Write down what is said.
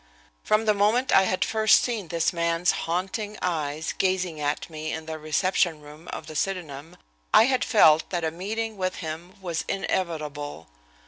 From the moment I had first seen this man's haunting eyes gazing at me in the reception room of the Sydenham I had felt that a meeting with him was inevitable.